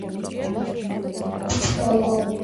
მათ რიგებში ძველი ალიანსის წევრებიც იყვნენ.